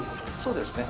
そうですね。